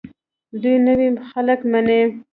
دوی نوي خلک مني.